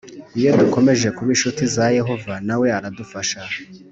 Iyo dukomeje kuba inshuti za Yehova nawe aradufasha